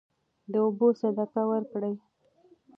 د اوبو صدقه ورکړئ.